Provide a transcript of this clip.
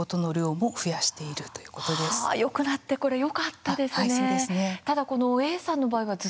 よくなってこれよかったですね。